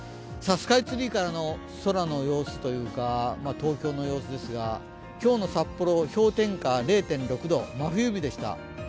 スカイツリーからの空の様子、東京の様子ですが今日の札幌、氷点下０．６度、真冬日でした。